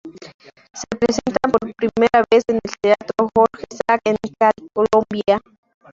Se presentan por primera vez en el Teatro Jorge Isaac en Cali Colombia.